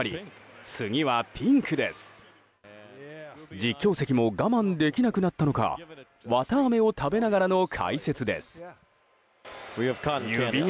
実況席も我慢できなくなったのか綿あめを食べながらの解説です。